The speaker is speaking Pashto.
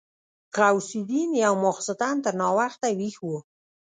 غوث الدين يو ماخستن تر ناوخته ويښ و.